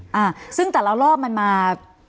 อ่าซึ่งแต่ละรอบมันมา